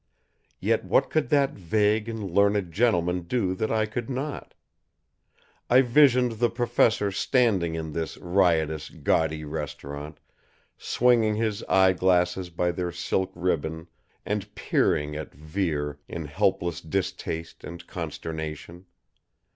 Yet what could that vague and learned gentleman do that I could not? I visioned the Professor standing in this riotous, gaudy restaurant, swinging his eye glasses by their silk ribbon and peering at Vere in helpless distaste and consternation.